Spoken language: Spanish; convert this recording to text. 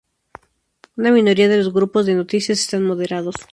Una minoría de los grupos de noticias están moderados.